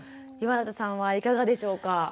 岩立さんはいかがでしょうか？